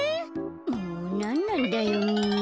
もうなんなんだよみんな。